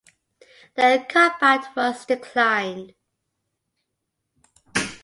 The combat was declined.